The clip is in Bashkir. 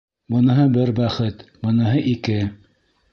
— Быныһы бер бәхет, быныһы ике...